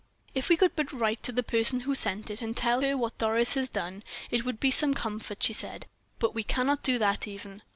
"If we could but write to the person who sent it, and tell her what Doris has done, it would be some comfort," she said; "but we cannot do that even."